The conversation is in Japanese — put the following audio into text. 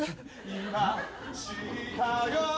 「今知ったよ」